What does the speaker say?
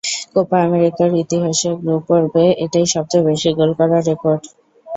Copa আমেরিকার ইতিহাসে group পর্বে এটাই সবচেয়ে বেশি গোল করার রেকর্ড।